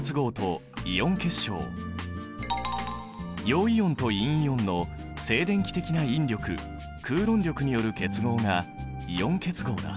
陽イオンと陰イオンの静電気的な引力クーロン力による結合がイオン結合だ。